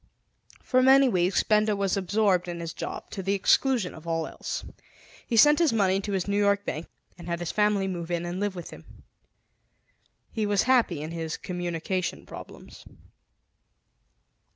For many weeks Benda was absorbed in his job, to the exclusion of all else. He sent his money to his New York bank and had his family move in and live with him. He was happy in his communication problems.